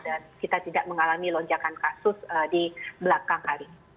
dan kita tidak mengalami lonjakan kasus di belakang kali ini